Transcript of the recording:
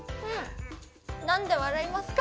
何で笑いますか？